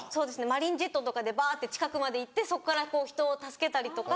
マリンジェットとかでバって近くまで行ってそっから人を助けたりとか。